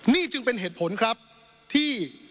นี่จึงเป็นเหตุผลครับที่